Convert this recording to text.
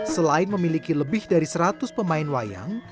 selain memiliki lebih dari seratus pemain wayang